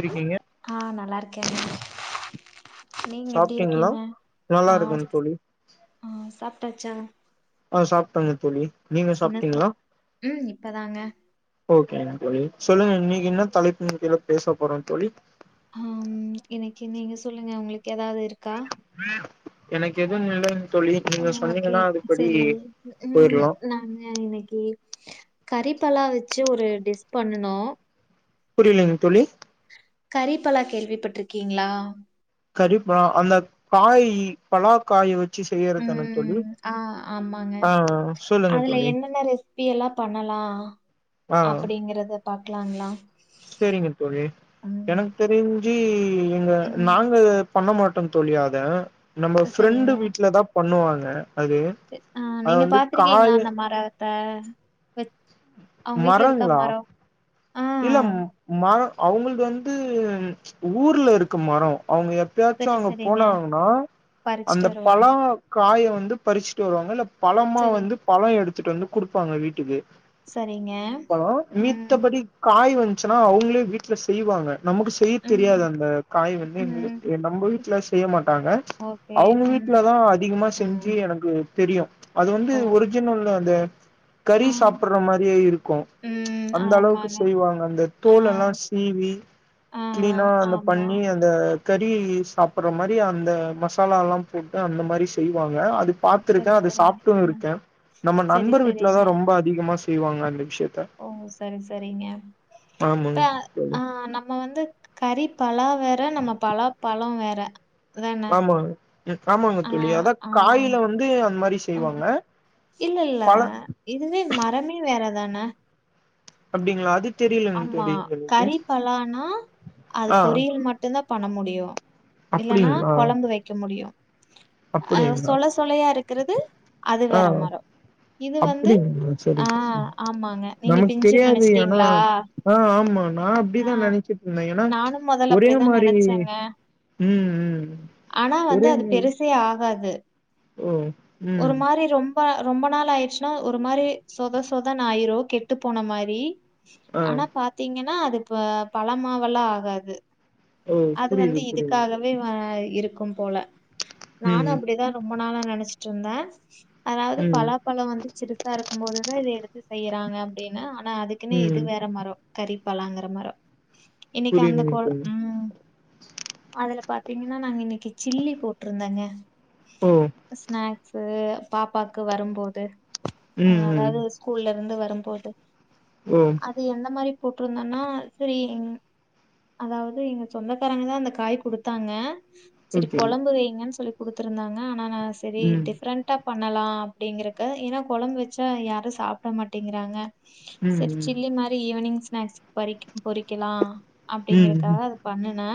இருக்கீங்க ஆஹ் நல்லா இருக்கேன் நீங்க எப்படி சாப்ட்டீங்களா இருக்கீங்க நல்லா ஆஹ் இருக்கேன் தோழி ஆஹ் சாப்பிட்ட ச்சா ஆஹ் சாப்பிட்டங்க தோழி நீங்க சாப் சாப்பிட்டீங்களா ம் இப்பதாங்க ஓகேங்க தோழி சொல்லுங்க இன்னைக்கு என்ன தலைப்புன்கீழ பேச போறோம் தோழி ஹம் இன்னைக்கு நீங்க சொல்லுங்க உங்களுக்கு ஏதாவது இருக்கா எனக்கு எதுவும் இல்லங் ஓகே செரி உம் போயிரலாம் நானு இன்னைக்கி கறிப்பலா வச்சு ஒரு டிஷ் பண்ணுனோ புரியலீங் தோழி கறிப்பலா கேள்விப்பட்டிருக்கீங்களா கரிப்பலா அந்த காய் பலா காய வச் உஹம் ஆஹ் ஆமாங்க ஆ சொல்லுங்க அதுல தோழி என்னென்ன ரெசிபி எல்லா பண்ணலா அப்படிங்கறத தா இருக்கலாங்களா செரிங்க தோழி எனக்கு தெரிஞ் ஞ்சி சி எங்க ம் நாங்க பண்ண மாட்டேன் தோழி அத நம்ம ஃப்ரெண்டு் வீடல தான் பண்ணுவாங் ஆ செ ஆஹ் நீங்க பாத்துருக்கீங்களா அந்த மர த்த வச் அவங்க வீட்டு்ல இருக்கா மரங்களா மரோ இல்ல மரம் அவங்க வந்து ச்சு ஊர்ல இருக்கு மரோ அவங்க எப்பாச்சும் சரி அவங்க சரிங்க. போனாங்கன்னா பறிச்சுட்டு அந்த வருவாங்க. பலா காய வந்து பறிச்சுட்டு வருவாங்க இல்ல பழமா சரி வந்து பழ எடுத் எடுத்துட்டு வந்து கொடுப்பாங்க வீட்டுக்கு சரிங்க. பலோ ம் மித்த படி காய் வந்துச்சுன்னா அவங்களே வீட்டில் செய்வாங்க நமக்கு செய்ய தெரியாது ம் அந்த காய் வந்து ம். எங்க நம்ம வீட்டுல செய்ய மாட்டாங்க ஓகே. அவங்க ம் வீட்டுல தான் அதிகமா செஞ்சு ம். எனக்கு தெரியும் அது வந்து ஓகே. ஒரிஜினல் அந்த கறி ஆ சாப்பிடற மாரியே இருக்கும் ம் அந்த அளவுக்கு ஆமாங்க. செய்வாங்க அந்த ஆ தோல் எல்லாம் சீவி ஆ க்ளீனா அந்த ஆமா. பண்ணி அந்த கறி சாப்பிடுற மாதிரி அந்த மசாலால்லாம் போட்டு அந்த மாதிரி செய்வாங்க இல்ல அது சரி பார்த்திருக்கேன் அது சரிங்க. சாப்ட்டும் ஆ இருக்கேன் நம்ம சரி நண்பர் வீட்டுல சரிங்க. தான் ரொம்ப அதிகமா செய் செய்வாங்க அன்னிக்கு ஓ சரி சரி ங்ஞ ஆமாங்க இப்ப தோழி ஆஹ் நம்ம வந்து கறி பலா வேற நம்ம பலாப்பழம் வேற தான? ஆமாங்க ம் ஆமாங்க ஆ தோழி அதா ஆ. காயில வந்து அந்த மாதிரி ம். செய்வாங்க இல்ல இல்ல. பழ இதுவே மரமே வேற தான அப்டிங்களா அது தெரியலங்க ஆமா தோழி எனக்கு கறி பலானா அது ஆ பொரியல் மட்டும்தான் பண்ண முடியும் இல்லன்னா அப்டிங்களா கொழம்பு வைக்க முடியும் அஹ் அப்டிங்களா சொள சொளையா இருக் கிறது அது ஆ வேற மரம் இது வந்து அப்டிங்களா சரி சரி. ஆஹ் ஆமாங்க நீங்க பிஞ்சின்னு நினைச்சிட்டீங்களா ஆஹ் ஆமா நான் அப்படிதான் நெனச்சிட்டு இருந்தன் ஏன்னா நானும் மொதல்ல ஒரே அப்படிதான் மாரி நெனச்சேங்க. ம் ம் ஆனா வந்து ஒரே அது மாரி பெருசே ஆகாது. ஓ ஒரு ம் மாரி ரொம் ப ரொம்ப நாள் ஆயிடுச்சுன்னா ஒரு மாரி சொத சொதனு ஆயிரும் கெட்டு போன மாரி ஆ ஆனா பாத்தீங்கன் னா அது இப்ப பழமாவல்லாம் ஆகாது ஓ அது புரியுது வந்து புரியுது இதுக்காகவே வ இருக்கு இருக்கும் போல நானும் ம் அப்படிதான் ரொம் ப நாளா நெனச்சு ட்டுருந்த அதாவது ம் பலா பழ வந்து சிறுசா இருக்கு போது தா இத எடுத்து செய்யணு தாங்க அப்டின்னா ஆனா அதுக்குன்னு இது ம் வேற மரோ கறிப்பலாங்கிற மரோ இன்னைக்கு அந்த புரியுதுங்க கோ தோழி உம் அதுல பாத்தீங்கன்னா நாங்க இன்னைக்கு சில்லி போட்டிருந்தேங்க உம் சு பாப்பாக்கு வரும்போது ஹ ம் ம் அதாவது ஸ்கூல்ல இருந்து வரு ரும் போது ஓ அது எந்த மாரி போட்டிருந்தேன்னா சரி அதாவது எங்க சொந்தக்காரங்க தான் அந்த காய் குடுத்தாங்க செரி ஓகே கொழம்பு வைங்கன்னு சொல்லி குடுத்தருந்தாங்க ஆனா நா சரி ம் டிஃப்ரெண்டாப் பண்ணலா அப்படிங்கறக்கு ஏன்னா கொழம்பு வச்சா யாரு சாப்ட மாட்டேங்கிறாங்க ம் செரி ம் சில்லி மாரி ஈவ்னிங் ஸ்னாக்ஸ் பரிக்கு பொறிக்கலா ம் அப்படிங்கறக்காக ம் அது பண்ணுனே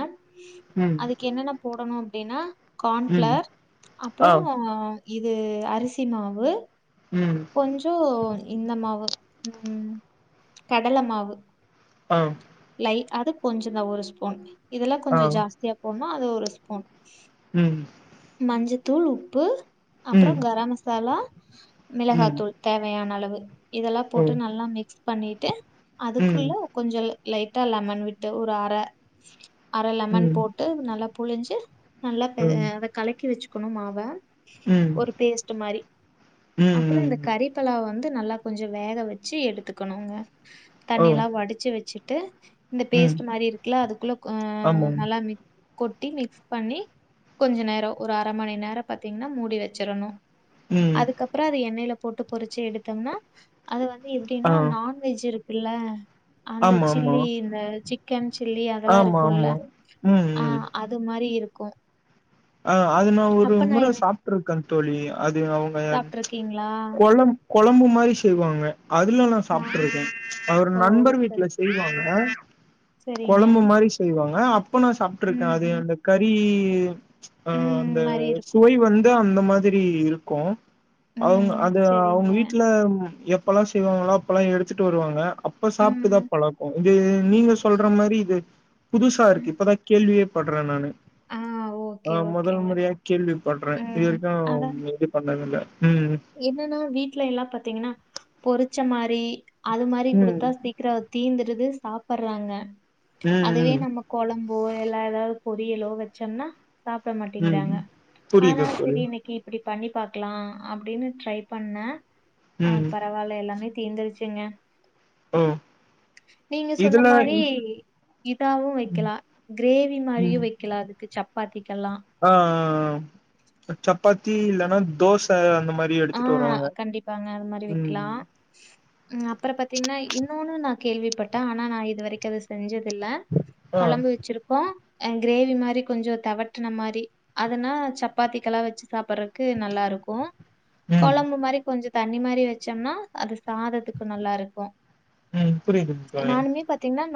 ம் அதுக்கு என்னென்ன போடணு அப்டின்னா கான் ம் ஃபிளார் ஆ அப்புறோ ஆஹ் இது அரிசி மாவு ம் கொஞ்சோ இந்தமாவு உம் கடல மாவு ஆஹ்ம் லை அது கொஞ்ச தா ஒரு ஸ்பூன் இதெல்லா கொஞ்சோ ஜாஸ்தியா போட்ணு ஆ அது ஒரு ஸ்பூன் உம் தூள் உப்பு அப்பற கரம் மசாலா ம் மிளகாத்தூள் தேவையான அளவு ட்டு இதெல்லாம் ஓ போட்டு நல்லா மிக்ஸ் பண்ணிட்டு ம் அதுக்குள்ள கொஞ்சோ லைட்டா லெமன் விட்டு ஒரு அர அர ம் லெமன் ம் போட்டு நல்லா புழிஞ்சு நல்லா எ ம் அத கலக்கி வச்சு க்கணும்மாவ ம் ஒரு பேஸ்ட்டு மாரி அப்பற இந்த ம் கறி பலா ப்ப வந்து நல்லா கொஞ்ச வேக வெச்சு எடுத்துக்கணுங்க ஓ தண்ணியலா வடிச்சு வெச்சு ட்டு இந்த ம் பேஸ்ட்டு மாரி இருக்குல்ல அதுக்குள்ள அ அ ஆமாங்க நல்லா மிக் கொட்டி மிக்ஸ் பண்ணி கொஞ்ச நேர ஒரு அர மணி நேரம் பாத்தீங்ன்னா மூடி வச்சிரனு ம் எண்ணெய்ல போட்டு பொறிச்சு எடுத்தோம்னா அது வந் து எப்டின்னா ஆ நான்வெஜ் இருக் இள்ள அந்த ஆமா ஆமா சில்லி இந்த சிக் கென் சில்லி அதெல்லா ஆமா இருக்குல்ல ஆமா ம் ஆ ம் அது மாரி இருக்கு கு ஆ அது நா ஒரு முற சாப்ட்ருக்கந்தோழி அது அவுங்க எ ம்ச் சாப்ட்ருக்கீங்களா கொழம் கொழம்பு மாரி செய்வாங்க அதுலாநா சாப்ட்ருக்கோ அவர் ஓ நண்பர் சரி வீட்ல செய்வாங்க அ சரிங்க கொழம்பு மாரி செய்வாங் அ அப் ப்ப நா சாப்ட்ருக்க அது ம் அந்த கறி உம் ச் ஆ ம் அந்த மாரி இருக்கு சுவை வந்து அந்த மா செரி இருக்கும் அவுங்க ம் அது சரிங்க அவுங்க வீட்ல ம் எப் அப்பலா செய்வாங்ளா அப்பலா எடுத்துட்டு வருவாங்க அப்ப சாப்ட்டுதா ம் பழக்க இது நீங்க சொல்ற மாரி இது புதுசாருக்கு இப்பதா கேள்வியே பட்ற நானு ஆஹ் ஓ ஆஹ் முதல் முறையா கேள்வி படுறேன் இது ம் அதா வரைக்கு இது பண்ணது இல்லை என்னன்னா வீட்டு்ல எல்லாம் பாத்தீங்கன்னா பொறிச்ச மாதிரி அது மாதிரி ம் கொடுத்தா சீக்கிரம் தீந்துடுது சாப்படுறாங்க அதுவே ம் ம் நம்ம கொழம்பு ஒ எல்லா ஏதாவது பொரியலோ வச்சோம்னா சாப்பிட ம் மாட்டேங்கறாங்க ஆனா புரியுது தோழி சரி இன்னைக்கு இப்படி பண்ணி பாக்கலாம் அப்படின்னு ட்ரை பண்ணேன் ஆஹ் ம் பரவாயில்ல எல்லாமே தீந்துடுச்சுங்க ஓ நீங்க சொன்ன இதுல மாதிரி இதாவும் ம் வைக்கலா கிரேவி மாதிரியு வைக்கலா அது சப்பாத்தி ஆஹ்ஹ் சப்பாத்தி இல்லனா தோசை அந்த மாரி எடுத்துட்டு ஆஹ் வருவாங்க கண்டிப்பாங்க அது மாதிரி விக்லா ம் அப்புறம் பாத்தீங்கன்னா இன்னொன்னு நான் கேள்விப்பட்டேன் ஆனா நான் இது வரைக்கு அது செஞ்சது இல்ல ஆ குழம்பு வச்சிருக்கோ அ கிரேவி மாதிரி கொஞ்ச தவட்டின மாதிரி அதனா சப்பாத்திகெல்லா வச்சு சாப்பிடுறதுக்கு நல்லா இருக்கு ம் குழம்பு மாதிரி கொஞ்ச தண்ணி மாதிரி வச்சோம்னா அது சாதத்துக்கு நல்லா இருக்கு உம் புரியுது தோழி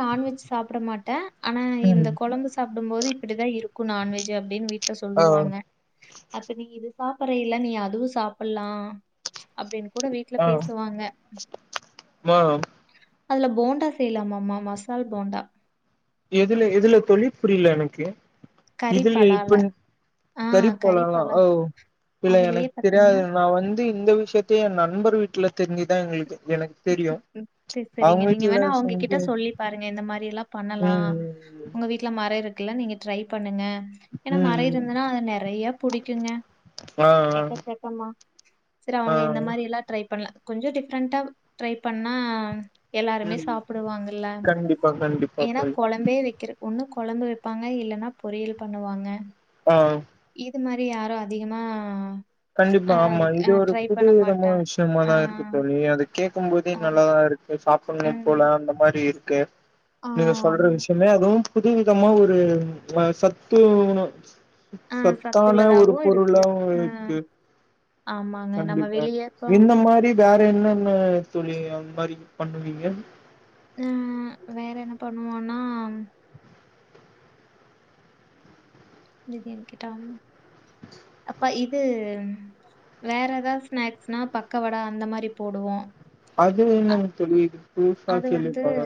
நான்வெஜ் சாப்பிட மாட்டேன் ஆனா ம் இந்த குழம்பு சாப்டும் போது இப்படிதான் இருக்கு நான்வெஜ் அப்படின்னு விட் ஆ சொல்லுவாங்க அப்ப நீ இது சாப்பிடற இலை நீ அதுவும் சா ப்பிடலாம் அப்படின்னு கூட வீட்டுல ஆ பேசுவாங்க மா அதுல போண்டா செய்யலாமாம மசால் போண்டா எதுல எதுல தோழி புரியல எனக்கு கறி இதுலய பலால. இப்ப ஆ கறி போலலாம் பலா. ஓ இல்ல அதுலயே எனக்கு தெரியாது பாத்தீங்கன்னா நா வந்து இந்த விஷயத்தை தெ எ நண்பர் வீட்ல தெஞ்சுதா எங்களுக்கு எனக்கு தெரியு செர் செரிங்க அவங்க நீங்க வீட்ல வேணா அவங்ககிட்ட செஞ்சு சொல்லி பாருங்க இந்த மாரில்லா பண் ணலா ம் உங்க வீட்ல மர இருக் ட்ல நீங்க ட்ரை பண்ணுங்க ஏனா ம் மர ம் இருந்துனா அது நெறைய புடிக்குங்க ஆ எக்கச்சக்கமா சரி ஆ ஆ அவங்க இந்த மாரி எல்லா ட்ரை பண்ல கொஞ்சோ டிஃப்ரெண்டாவ் ட்ரை பண்ணா எல்லாருமே ம் சாப்புடுவாங்கல்ல கண்டிப்பா கண்டிப்பா ஏன்னா தோழி கொழம்பே வெக்கிறக்கொன்னு கொழம்பு வெப்பாங்க இல்லன்னா பொரியல் பண்ணுவாங்க ஆவ் இது மாரி யாரு அதிகமா கண்டிப்பா ஆ ஆமா ஆ இது ஒரு ட்ரை புது பண்ண மாட்டாங்க விதமான் ஆ விஷ்யமாதா இருக்கு தோழி அது கேக் கும்போதே ஆ நல்லாதா இருக் பொய் சாப்புட்ணும் ம் போல அந்த மாரி இருக் க்கு ஆ நீங்க சொல்ற ஆமா விஷயமே அதுவு புதுவிதமா ஒரு சத்து உணவ் ஆ சத்தான ஒரு சத்துள்ளதாவு இருக்கு பொருளா ஆ ஆமாங்க நம்ம கண்டிப்பா வெளிய இப்போ இந்த மாரி வேற என்ன ன்னா தோழி இந்த மாரி பண்ணுவீங்க ஆஹ் வேற என்னப்பண் பண்ணுவோனா நிதியன் கிட்டா அப்பா இது வேற எதாவ் ஸ்நாக்ஸ்னா பக்கவடா அந்த மாரி போடுவோ அது என்னங் தோழி புதுசா அது வந்து கேள்விப்பட்றே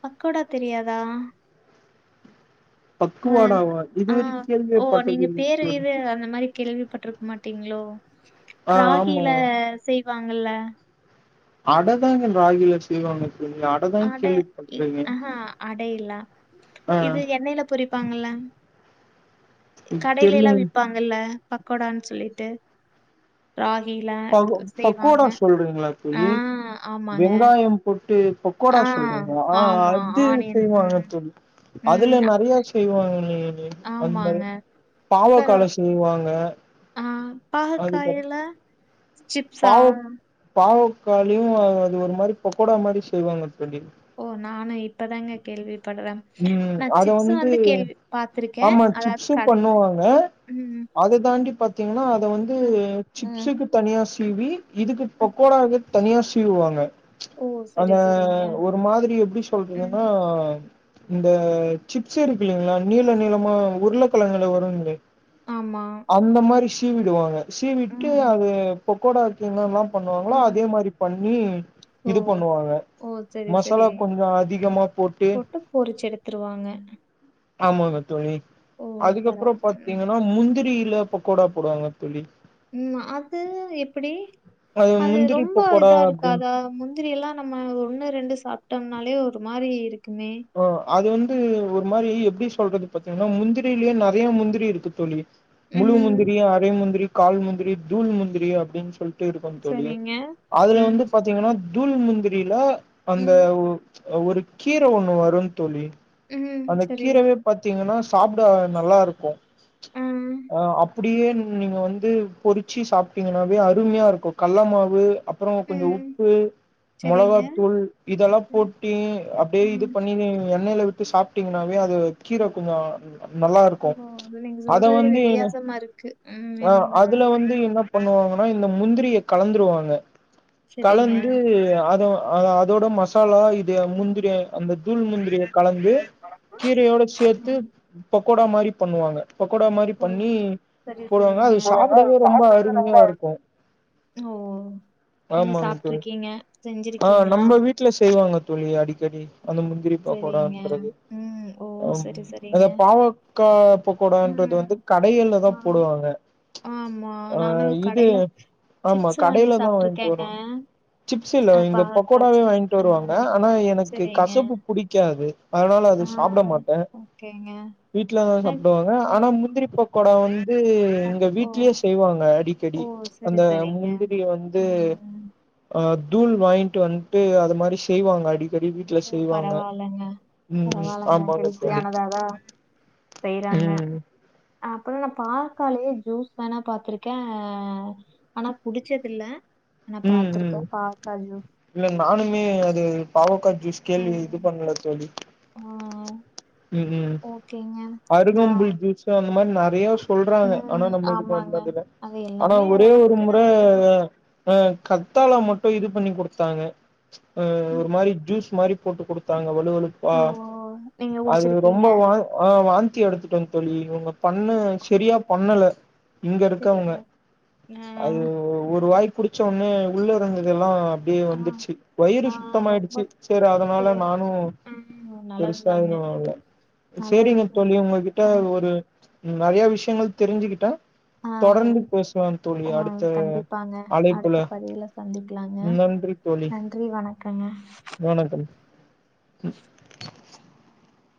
பக்கோடா தெரியாதா ஆந் பக்குவாடாவா இதுவரை ஆஹ் ஓ நீங்க கேள்விப்பட்டதில்ல பேரு தோழி இது அந்த மாரி கேள்விப்பட்ருக் மாட்டீங்ளோ ஆ ஆமா ராகிலா செய் வாங்கல்ல அட தாங்க ராகில செய்வாங்க தோழி அடதாங்க அட இ கேள்விப்பட்ருக்கே ஆஹா அடெ இல்ல ஆ இது எண்ணெய்ல பொரிப்பாங்கள்ல கடையிலேலா தெர்லங்க விப்பாங்கல்ல பக்கோடான்னு சொல்லிட்டு ரா பகோ பக்கோடா சொல்றீங்களா ஆ தோழி ஆமாங்க. வெங்காயம் போட்டு பொக்கோடா ஆ சொல்றீங்ளா ஆ ஆமா அது ஆனியன் செய்வாங்க ம் தோழி அதுல ம் நெறைய செய்வாங் ஹ்ஹ் ழி அந் மாரி ஆமாங்க. பாவக்காள அப்புறம் செய்வாங்க ஆ அதுக்கு பாகக்காயில சிப்ஸா? பாவ பாவ க்காளயு அது ஒரு மாரி பொகோடா மாரி செய்வாங்க தோழி ஓ நானு இ ப்பதாங்க கேள்வி படுற உம் அத வந்து பார்த்துருக்கேன் ஆமா அதாவது சிப்ஸும் கடையில பண்ணுவாங்க ம் அதுதா இங்க பாத்தீங்னா ங்க வந்து ம் ம் சிப்சுக்கு தனியாஸ் சீவி இதுக்கு ம். பொக்கோடாக்கு தனியா சீவுவாங்க ஓ அந்த சரி சரிங்க ஒரு மாதிரி எப்டி ம் சொல்றதுன்னா இந்த சிப்ஸ் இருக்குல்லேங்களா நீள நீளமா உருளக்கெழங்குல வருங்ளே ஆமா அந்த மாரி ஷ் தீவிடுவாங்க சீவிட்டு ம் அது பொக்கோடா இரிக்கீங்கலா மேம் பண்ணுவாங்களோ ம் அதே மாரி பண்ணி ஓ இது பண்ணுவாங்க ஓ சரி சரி மசாலா கொஞ்சோ அதிகமா போட்டு த்துருவாங்க ஆமாங்க தோழி அதுக்கப்பறோ பரவாயில்ல ம் பாத்தீங்கன்னா முந்திரி ல்ல பக்கோடா போடுவாங்க தோழி உம் அது எப்பிடி அது முந்திரி ரொம்ப பக்கோடா இதா அப்டின்னு இருக்காதா முந்திரி எல்லா நம்ம ஒண்ணு ரெண்டு சாப் டம்னாலே ஒரு மாரி இரு ஓ அது வந்து ஒரு மாதிரி எப்டி சொல்றது பாத்தீங்னா முந்திரிலேயே நெறைய முந்திரி இருக்கு தோழி முழு ம் முந்திரி அரை முந்திரி கால் முந்திரி தூள் முந்திரி அப்படின்னு சொல் இருக்கும் தோழி சரிங்க அதுல ம் வந்து பாத்தீங்கன்னா தூள்முந்திரில அந்த ம் ஒரு கீரை ஒண்ணு வரும் தோழி ம் அந்த சரி கீரைவே பாத்தீங்கன்னா சாப்பிட நல்லா இருக்கும் ஆ அஹ் சாப்பிடவே நல்லா இருக்கும் அப்படியே நீங்க வந்து பொறிச்சு சாப்பிட்டீங்கன்னாவே அருமையா இருக்கும் கல்ல மாவு அப்புறம் கொஞ்சம் ம் உப்பு சரிங்க மொளகாத்தூள் இதெல்லாம் ம் போட்டி அப்படியே ம் இது எண்ணெயில விட்டு சாப்பிட்டீங்கன்னாவே அது கீரை கொஞ்சம் ஓ அது நீங்க சொல்றதே வித்தியாசமா இருக்கு ம் ஆ எனக்குன்னா அதுல வந்து என்ன பண்ணுவாங்கன்னா இந்த முந்திரிய கலந்துருவாங்க சரிங்க. கலந்து அத அஹ அதோட மசாலா இ முந்திரிய தூள் முந்திரிய கலந்து கீரையோட சேர்த்து ம், கூடைமாதிரி பண்ணுவாங்க பக்கோடா மாதிரி ஓ! பண்ணி சரி, போடுவாங்க சரிங்க. அது சாப்பிடவே ரொம்ப சாப்பிடவே ரொம்ப அருமையா இருக்கும் ஓ! நீங்க ஆமாங்க தோழி சாப்ட்டுருக்கீங்க, ஆஹ் செஞ்சிருக்கீங்களா? நம்ம வீட்டுல செய்வாங்க தோழி அடிக்கடி அந்த முந்திரி சரிங்க. பகோடான்றது ம். ஓ! சரி, அ சரிங்க. பாவக்காய் பக்கோடான்றது வந்து ம். கடையில்ல ஆ. தான் போடுவாங்க ஆமா. நானு ஆஹ் இது கடையில ஆமா சிப்ஸ் வாங்கி கடையில தான் வாங்கிட்டு சாப்ட்டுருக்கேங்க. வரும் சிப்ஸ் இல்லை அ இங்க பாவக்கா பகோடாவே சிப்ஸ். வாங்கிட்டு ஆ. வருவாங்க ஆனா எனக்கு சரிங்க. புடிக்காது அதனால அது ஆ. சாப்பிட மாட்டேன் ஓகேங்க. வீட்ல தான் அ. சாப்பிடுவாங்க ஆனா ம். முந்திரிப்பக்கோடா வந்து வந்து அத எங்க ஓ! வீட்லயே செய்வாங்க அடி செடி ஓ! சரி, அந்த சரிங்க. முந்திரி வந்து ம். தூள் வாங்கிட்டு வந்துட்டு அது மாதிரி செய்வாங்க அடிக்கடி வீட்ல ஓ செய்வாங்க பரவாயில்லைங்க ம் ம் பரவாயில்லைங்க ஆமாங்க தோழி ஹெல்த்தியானதாதான் செய்யறாங்க ம் அப்பறல்லாம் நான் பாவக்காலேயே ஜூஸ் வேணா பாத்திருக்கேன் ஆனா குடிச்சதில்லே உம் உம் இல்ல நானுமே அது பாவக்கா ஜுஸ் கேள்வி இது ம் பண்ணல தோழி ஆ உம் உம் ஓகேங்க நா அருகம்புல் ஜுஸ்ஹ இந்தமாரி நிறயா சொல்றாங்க ஆனா ம் நம்ம இதுக்கு ஆமாங்க வந்ததுல அது ஆனா எல்லாமே ஒரே ஒரு ஒடம்புக்கு முறை நல்லதுதா அ கத்தாழ மட் டு இது பண்ணி கொடுத்தாங்க அஹ் ஒரு மாதிரி ஜூஸ் மாரி போட்டு கொடுத்தாங்க வலுவலுப்பா ஓ நீங்க அது ரொம்ப குடிச்சிருக்கீங்க வா ஆஹ் வாந்தி எடுத்து ட்டேன் தோழி இங்க பண்ணு சரியா பண்ணல இங்க இருக்கவங்க சரிங்க ஆ அது ஒரு வாய்க்கு புடிச்ச உடனே உள்ள இறங்கதெல்லாம் அப்படியே ஆ வந்துருச்சு வயிறு ஆ ரொம்ப சுத்தமயடுச்சு சரி அதனால சரி நானும் ம் பெருசா நல்லதுதாங்க பரவால நல்ல சரிங்க விஷயம் தோழிகிங்ட ஆ கிட்டஒரு நிறைய விஷயங்கள் தெரிஞ்சுகிட்டேன் ஆஹ் உ ஓ அடுத்த கண்டிப்பாங்க அழைப்புல அடுத்த பதிவுல சந்திக்கலாங்க நன்றி தோழி நன்றி வணக்கங்க வணக்கம்